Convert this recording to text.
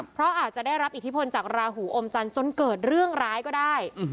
เพราะอาจจะได้รับอิทธิพลจากราหูอมจันทร์จนเกิดเรื่องร้ายก็ได้